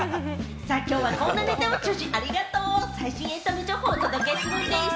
今日はこんなネタを中心に最新のエンタメ情報をお届けするんでぃす。